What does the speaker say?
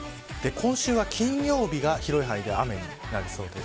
今週は金曜日が広い範囲で雨になりそうです。